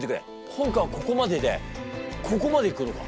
本官はここまででここまで行くのか。